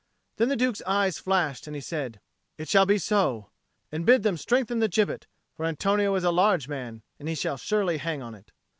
Then the Duke's eyes flashed and he said, "It shall be so. And bid them strengthen the gibbet, for Antonio is a large man; and he shall surely hang on it."